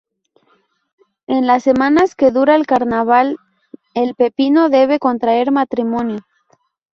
En las semanas que dura el carnaval el Pepino debe contraer matrimonio.